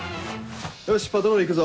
よしパトロール行くぞ。